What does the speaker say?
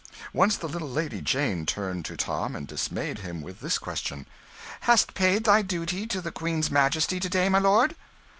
Once the little Lady Jane turned to Tom and dismayed him with this question, "Hast paid thy duty to the Queen's majesty to day, my lord?"